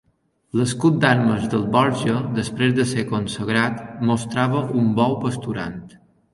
L'escut d'armes dels Borja, després de ser consagrat, mostrava un bou pasturant.